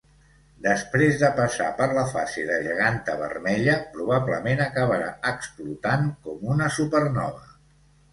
Després de passar per la fase de geganta vermella probablement acabarà explotant com una supernova.